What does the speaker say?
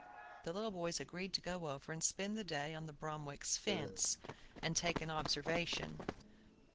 The little boys agreed to go over and spend the day on the Bromwicks' fence, and take an observation.